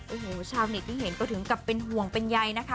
โอ้โหชาวเน็ตที่เห็นก็ถึงกับเป็นห่วงเป็นใยนะคะ